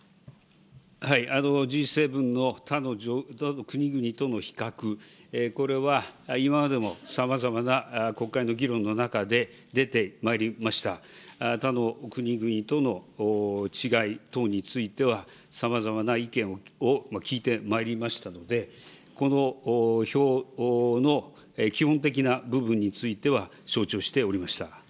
Ｇ７の他の国々との比較、これは今までもさまざまな国会の議論の中で出てまいりました、他の国々との違い等については、さまざまな意見を聞いてまいりましたので、この表の基本的な部分については承知をしておりました。